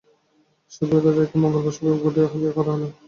সুব্রত রায়কে আগামী মঙ্গলবার সুপ্রিম কোর্টে হাজির করা হবে বলে জানা গেছে।